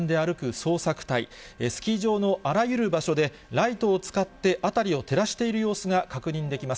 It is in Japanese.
捜索隊、スキー場のあらゆる場所で、ライトを使って辺りを照らしている様子が確認できます。